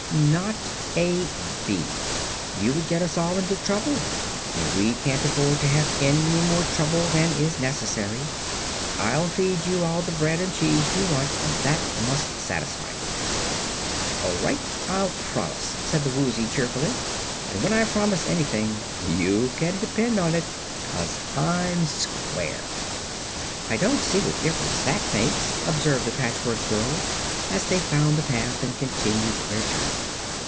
"Not a bee. You would get us all into trouble, and we can't afford to have any more trouble than is necessary. I'll feed you all the bread and cheese you want, and that must satisfy you." "All right; I'll promise," said the Woozy, cheerfully. "And when I promise anything you can depend on it, 'cause I'm square." "I don't see what difference that makes," observed the Patchwork Girl, as they found the path and continued their journey.